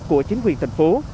của chính quyền thành phố